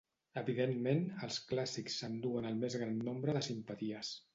Evidentment, els clàssics s'enduen el més gran nombre de simpaties.